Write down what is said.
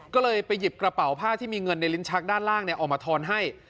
ก็เลยไปหยิบกระเป๋าผ้าที่มีเงินในลิ้นชักด้านล่างออกมาทอนให้